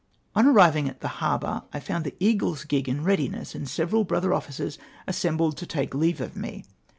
On arriving at the harboiu^ I found the Eagle s gig in readiness, and several brother officers assembled to take leave of me.